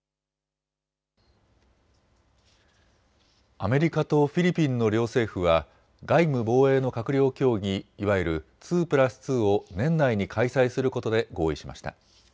アメリカとフィリピンの両政府は外務・防衛の閣僚協議、いわゆる２プラス２を年内に開催することで合意しました。